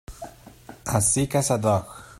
As sick as a dog.